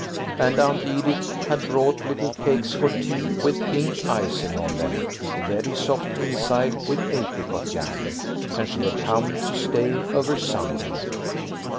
And Aunt Edith had brought little cakes for tea with pink icing on them, very soft inside with apricot jam. And she had come to stay over Sunday.